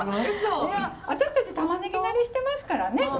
いや私たち玉ねぎ慣れしてますからね。